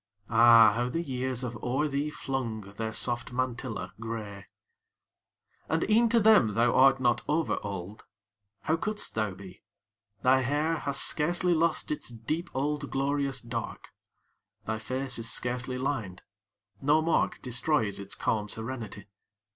Ah! how the years have o'er thee flung Their soft mantilla, grey. And e'en to them thou art not over old; How could'st thou be! Thy hair Hast scarcely lost its deep old glorious dark: Thy face is scarcely lined. No mark Destroys its calm serenity.